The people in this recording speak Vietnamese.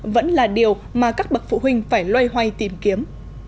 vẫn là điều mà các bậc phụ huynh phải loay hoay tìm kiếm